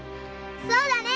そうだね！